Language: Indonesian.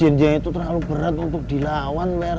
pak rt jendranya itu terlalu berat untuk dilawan pak rt